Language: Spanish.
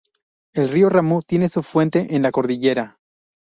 El río Ramu tiene su fuente en la cordillera.